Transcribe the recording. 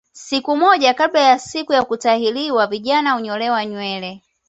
Siku moja kabla ya siku ya kutahiriwa vijana hunyolewa nywele